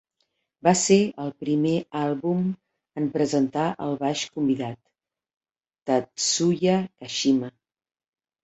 Va ser el primer àlbum en presentar el baix convidat, Tatsuya Kashima.